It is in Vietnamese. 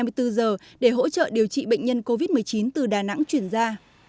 bệnh viện trung ương huế sẽ tiếp tục điều trị bệnh nhân covid một mươi chín từ đà nẵng chuyển ra